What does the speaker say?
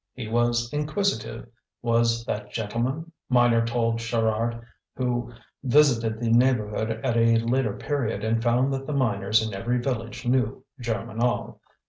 'He was inquisitive, was that gentleman', miner told Sherard who visited the neighbourhood at a later period and found that the miners in every village knew Germinal.